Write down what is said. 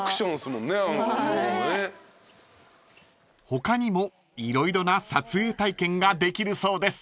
［他にも色々な撮影体験ができるそうです］